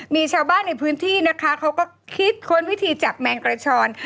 มีชาวบ้านในพื้นที่นะคะเขาก็คิดค้นวิธีจับแมงกระชอน